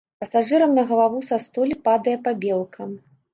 Пасажырам на галаву са столі падае пабелка.